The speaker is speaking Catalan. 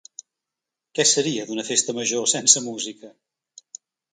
Què seria d’una festa major sense música?